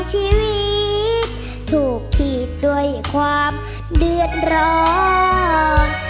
ชีวิตถูกขีดด้วยความเดือดร้อน